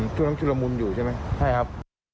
ช่วงนั้นชุดละมุนอยู่ใช่ไหมใช่ครับ